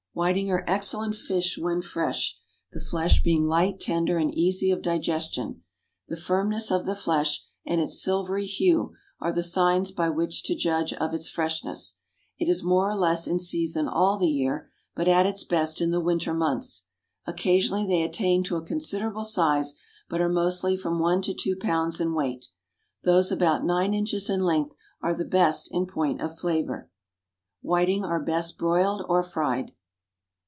= Whiting are excellent fish when fresh, the flesh being light, tender, and easy of digestion. The firmness of the flesh, and its silvery hue, are the signs by which to judge of its freshness. It is more or less in season all the year, but at its best in the winter months. Occasionally they attain to a considerable size, but are mostly from one to two pounds in weight. Those about nine inches in length are the best in point of flavour. Whiting are best broiled or fried.